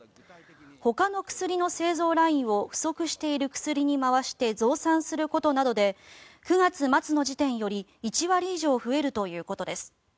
ほかの薬の製造ラインを不足している薬に回して増産することなどで９月末の時点より１割以上増えるということです。